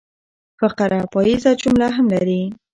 فقره پاییزه جمله هم لري.